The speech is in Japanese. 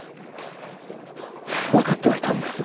わかってはいたんですが